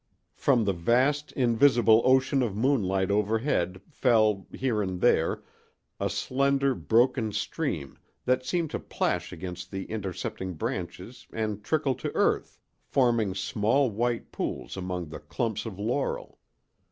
From the vast, invisible ocean of moonlight overhead fell, here and there, a slender, broken stream that seemed to plash against the intercepting branches and trickle to earth, forming small white pools among the clumps of laurel.